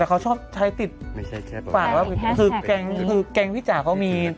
อ่อแต่เขาชอบใช้ติดคือแกงพี่จ๋าเขามี